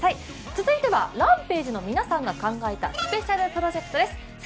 続いてはＲＡＭＰＡＧＥの皆さんが考えたスペシャルプロジェクトです。